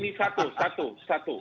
ini satu satu satu